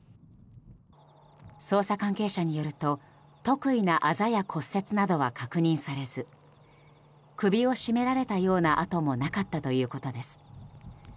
捜査関係者によると特異なあざや骨折などは確認されず首を絞められたような痕もなかったということです。